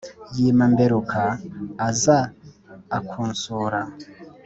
yima mberuka aza akunsura